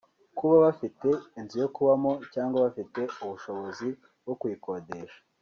Kuba bafite inzu yo kubamo cyangwa bafite ubushobozi bwo kuyikodesha